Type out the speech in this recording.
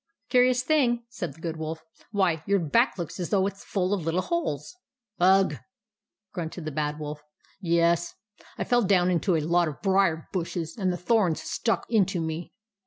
11 Curious thing," said the Good Wolf. "Why, your back looks as though it was full of little holes !"" Ugh," grunted the Bad Wolf. " Yes — I fell down into a lot of briar bushes, and the thorns stuck into me."